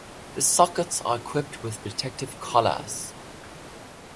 The sockets are equipped with protective collars.